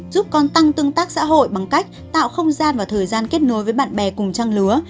giúp con tăng tương tác xã hội bằng cách tạo không gian và thời gian kết nối với bạn bè cùng trang lứa